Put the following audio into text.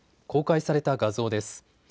公開された画像です。